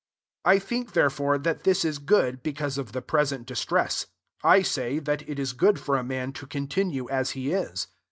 £6 I ink therefore that this is ^d, because of the present fBtress;* 1 «ay, that U is good r a n^n to continue as he is.